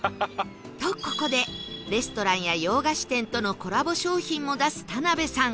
とここでレストランや洋菓子店とのコラボ商品も出す田辺さん